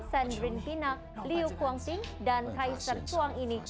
sandrine kina liu kuangting dan kaiser chuang ini